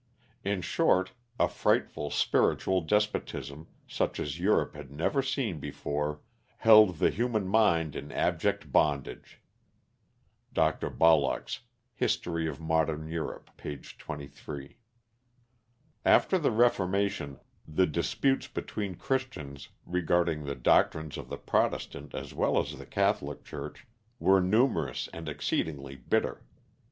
In short, a frightful spiritual despotism, such as Europe had never seen before, held the human mind in abject bondage" (Dr. Bollock's "History of Modern Europe," p. 23). After the Reformation the disputes between Christians, regarding the doctrines of the Protestant as well as the Catholic Church, were numerous and exceedingly bitter.